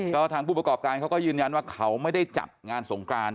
ก็ทางผู้ประกอบการเขาก็ยืนยันว่าเขาไม่ได้จัดงานสงกราน